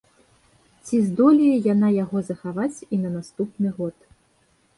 Ці здолее яна яго захаваць і на наступны год?